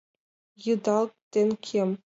ЙЫДАЛ ДЕН КЕМ